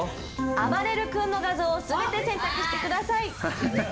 あばれる君の画像を全て選択してください。